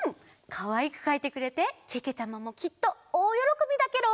かわいくかいてくれてけけちゃまもきっとおおよろこびだケロ。